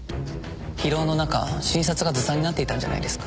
疲労の中診察がずさんになっていたんじゃないですか？